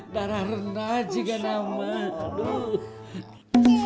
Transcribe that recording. darah renah aja kan amat